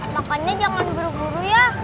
makanya jangan buru buru ya